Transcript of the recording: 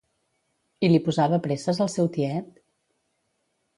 I li posava presses el seu tiet?